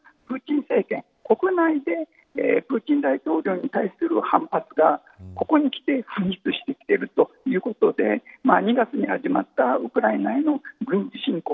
ロシアは国内でプーチン大統領に対する反発が噴出しているということで２月に始まったウクライナへの軍事侵攻